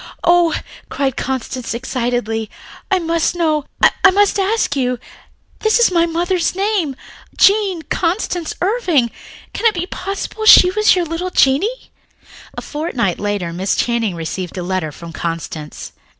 "Oh," cried Constance excitedly. "I must know, I must ask you. This is my mother's name, Jean Constance Irving, can it be possible she was your little Jeannie?" A fortnight later Miss Channing received a letter from Constance.